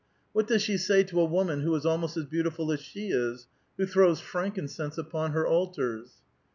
What does she say to a woman who is almost as beautiful as she is, who throws frankincense upon her altars